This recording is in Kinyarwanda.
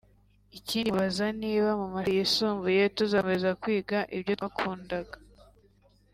Ikindi mubaza niba mu mashuli yisumbuye tuzakomeza kwiga ibyo twakundaga